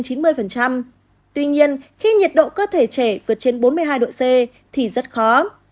tuy nhiên khi nhiệt độ cơ thể trẻ vượt trên bốn mươi hai độ c thì rất khó